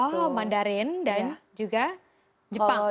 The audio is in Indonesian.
betul mandarin dan juga jepang